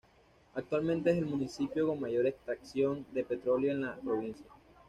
Actualmente es el municipio con mayor extracción de petróleo en la provincia.